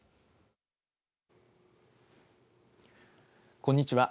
こんにちは。